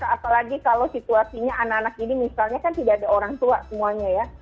apalagi kalau situasinya anak anak ini misalnya kan tidak ada orang tua semuanya ya